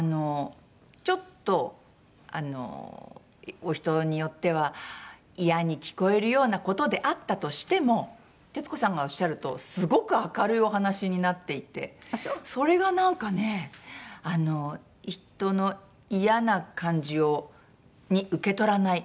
ちょっとお人によっては嫌に聞こえるような事であったとしても徹子さんがおっしゃるとすごく明るいお話になっていてそれがなんかね人の嫌な感じに受け取らない。